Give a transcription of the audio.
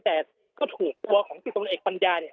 แต่ก็ถูกตัวของผู้ตนเอกปัญญา